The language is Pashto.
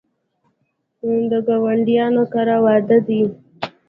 د ګاونډیانو کره واده دی